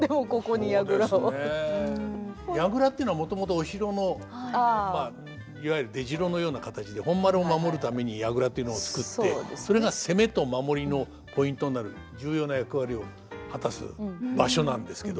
櫓っていうのはもともとお城のまあいわゆる出城のような形で本丸を守るために櫓というのを作ってそれが攻めと守りのポイントになる重要な役割を果たす場所なんですけど。